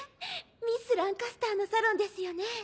ミス・ランカスターのサロンですよね？